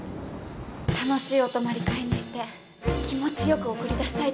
楽しいお泊まり会にして気持ちよく送り出したいと思います。